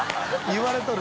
言われとる！